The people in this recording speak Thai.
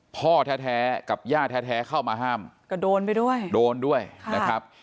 พ่อแท้กับย่าแท้เข้ามาห้ามก็โดนไปด้วยโดนด้วยนะครับ